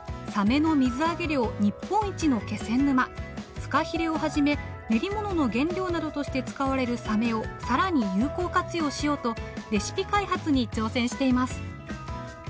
フカヒレをはじめ練り物の原料などとして使われるサメを更に有効活用しようとレシピ開発に挑戦しています。